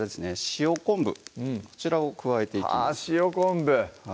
塩昆布こちらを加えていきますあ